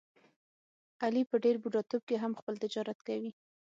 علي په ډېر بوډاتوب کې هم خپل تجارت کوي.